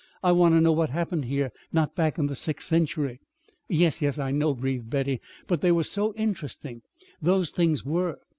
"I want to know what happened here not back in the sixth century!" "Yes, yes, I know," breathed Betty; "but they were so interesting those things were!